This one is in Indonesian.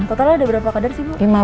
totalnya ada berapa kadar sih bu